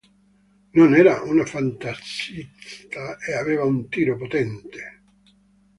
Non era un fantasista e aveva un tiro potente.